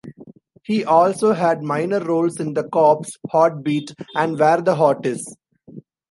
He also had minor roles in "The Cops", "Heartbeat" and "Where the Heart Is".